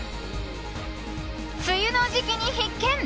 梅雨の時期に必見。